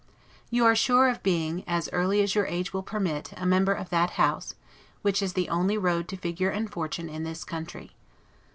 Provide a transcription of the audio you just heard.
You are sure of being, as early as your age will permit, a member of that House; which is the only road to figure and fortune in this country.